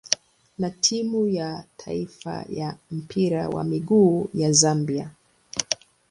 na timu ya taifa ya mpira wa miguu ya Zambia.